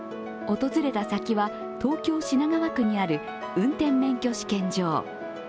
訪れた先は、東京・品川区にある運転免許試験場。